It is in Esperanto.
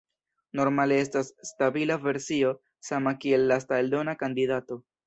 Normale estas stabila versio sama kiel lasta eldona kandidato.